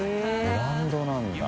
ブランドなんだ。